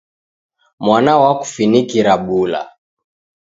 Mwana wakufunikira bula.